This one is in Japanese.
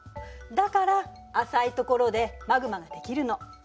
だから浅いところでマグマができるの。